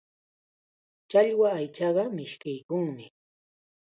Challwa aychaqa mishkiykunmi.